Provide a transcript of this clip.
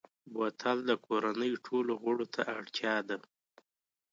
بوتل د کورنۍ ټولو غړو ته اړتیا ده.